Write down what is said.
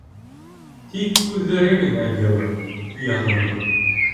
Тик күҙҙәре генә йылы, яғымлы.